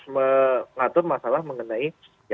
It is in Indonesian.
mengatur masalah mengenai